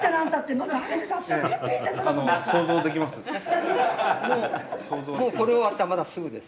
もうこれ終わったらまたすぐです。